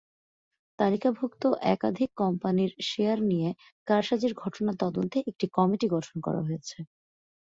তালিকাভুক্ত একাধিক কোম্পানির শেয়ার নিয়ে কারসাজির ঘটনা তদন্তে একটি কমিটি গঠন করা হয়েছে।